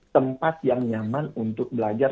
tempat yang nyaman untuk belajar